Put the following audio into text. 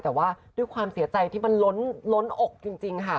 แต่ว่าด้วยความเสียใจที่มันล้นอกจริงค่ะ